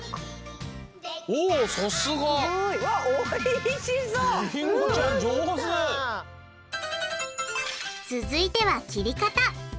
おさすが！続いては切り方！